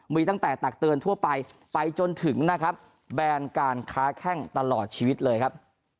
มีตั้งแต่ตักเตือนทั่วไปไปจนถึงนะครับแบรนด์การค้าแข้งตลอดชีวิตเลยครับ